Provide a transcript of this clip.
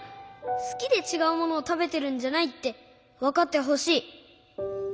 すきでちがうものをたべてるんじゃないってわかってほしい。